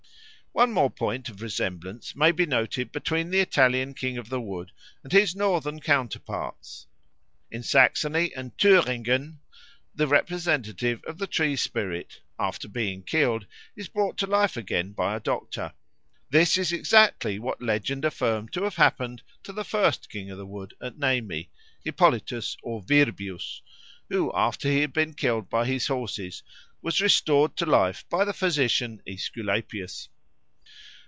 One more point of resemblance may be noted between the Italian King of the Wood and his northern counterparts. In Saxony and Thüringen the representative of the tree spirit, after being killed, is brought to life again by a doctor. This is exactly what legend affirmed to have happened to the first King of the Wood at Nemi, Hippolytus or Virbius, who after he had been killed by his horses was restored to life by the physician Aesculapius.